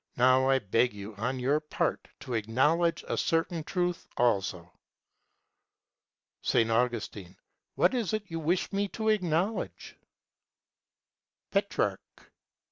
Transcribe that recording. Now I beg you on your part to acknowledge a certain truth also. S. Augustine. What is it you wish me to acknowledge? Petrarch.